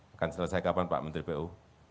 akan selesai kapan pak menteri pu